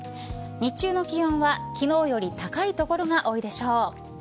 日中の気温は昨日より高い所が多いでしょう。